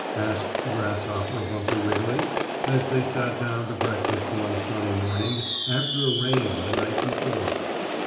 asked the grasshopper of Uncle Wiggily, as they sat down to breakfast one sunny morning, after a rain the night before.